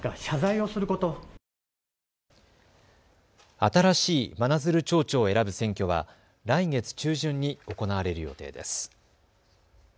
新しい真鶴町長を選ぶ選挙は来月中旬に行われる予定です。